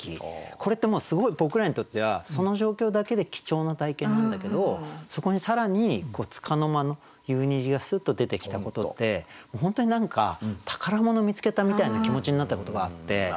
これってもうすごい僕らにとってはその状況だけで貴重な体験なんだけどそこに更に束の間の夕虹がスッと出てきたことで本当に何か宝物を見つけたみたいな気持ちになったことがあって。